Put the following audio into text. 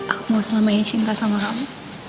aku mau selamanya cinta sama kamu